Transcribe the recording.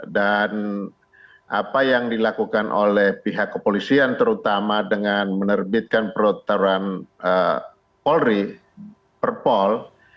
dan apa yang dilakukan oleh pihak kepolisian terutama dengan menerbitkan perotoran polri perpol